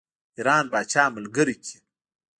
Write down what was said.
ایران پاچا ملګری کړي.